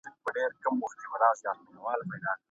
ولي لېواله انسان د لوستي کس په پرتله ډېر مخکي ځي؟